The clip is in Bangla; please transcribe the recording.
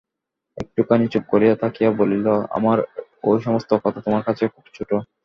একটুখানি চুপ করিয়া থাকিয়া বলিল, আমার এ-সমস্ত কথা তোমার কাছে খুব ছোটো।